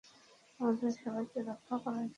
আমাদের সবাইকে রক্ষা করার জন্য।